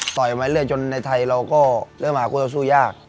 ต่ออย่างไรเลยจนในไทยเราก็เริ่มหาคู่สู้ยาก